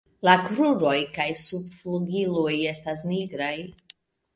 La kruroj kaj subflugiloj estas nigraj.